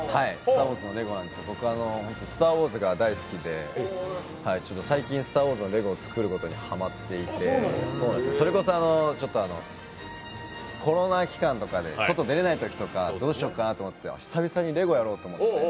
僕「スター・ウォーズ」が大好きで最近「スター・ウォーズ」のレゴを作ることにハマっていて、それこそ、コロナ期間とかで外、出られないときとかどうしようかなと思って、久々にレゴやろうと思って。